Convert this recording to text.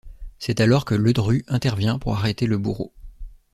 C'est alors que Ledru intervient pour arrêter le Bourreau.